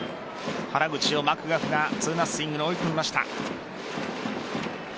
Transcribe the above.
原口をマクガフがツーナッシングに追い込みました。